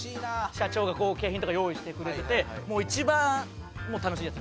社長が景品とか用意してくれててもう一番楽しいやつ。